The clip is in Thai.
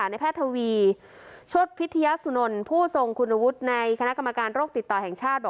ในแพทย์ทวีชดพิทยาสุนนท์ผู้ทรงคุณวุฒิในคณะกรรมการโรคติดต่อแห่งชาติ